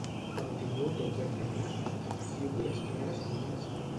Quan ho tingueu tot ben remenat, afegiu-hi les clares cuites.